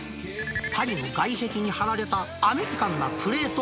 パリの外壁に貼られたアメリカンなプレート。